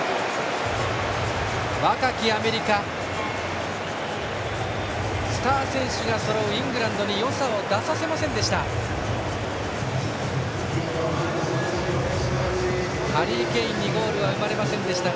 若きアメリカ、スター選手がそろうイングランドに良さを出させませんでした。